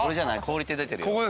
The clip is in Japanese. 「氷」って出てるよ。